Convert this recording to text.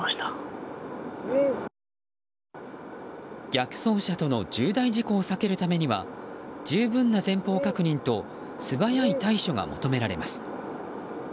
逆走車との重大事故を避けるためには十分な前方確認と素早い対処が求められます。